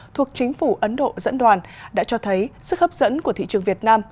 thuộc chính phủ ấn độ dẫn đoàn đã cho thấy sức hấp dẫn của thị trường việt nam